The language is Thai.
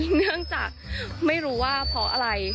เนื่องจากไม่รู้ว่าเพราะอะไร